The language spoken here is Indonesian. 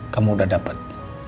kamu udah dapet